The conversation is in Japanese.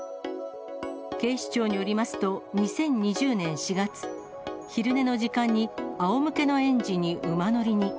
警視庁によりますと、２０２０年４月、昼寝の時間にあおむけの園児に馬乗りに。